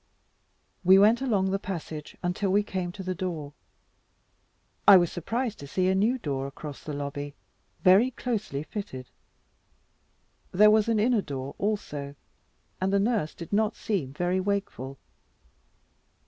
We went along the passage, until we came to the door. I was surprised to see a new door across the lobby, very closely fitted. There was an inner door also, and the nurse did not seem very wakeful.